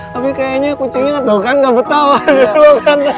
tapi kayaknya kucingnya gak tau kan gak bertawa dulu kan